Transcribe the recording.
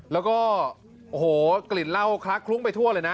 แล้วก็โอ้โหกลิ่นเหล้าคลักคลุ้งไปทั่วเลยนะ